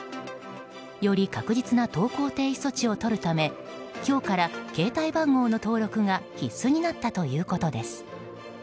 より確実な投稿停止措置をとるため今日から携帯番号の登録が必須になったということです。